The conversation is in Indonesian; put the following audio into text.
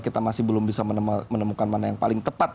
kita masih belum bisa menemukan mana yang paling tepat